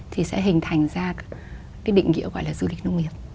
thì sẽ hình thành ra cái định nghĩa gọi là du lịch nông nghiệp